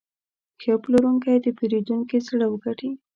ښه پلورونکی د پیرودونکي زړه وګټي.